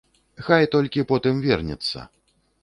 Хай толькі потым вернецца.